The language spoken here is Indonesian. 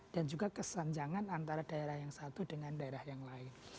dan juga kesenjangan antara daerah yang satu dengan daerah yang lain